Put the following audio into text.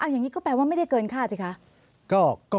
อย่างนี้ก็แปลว่าไม่ได้เกินค่าสิคะ